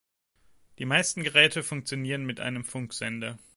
Die meisten Geräte funktionieren mit einem Funksender.